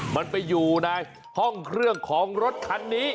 มันไปอยู่ในห้องเครื่องของรถคันนี้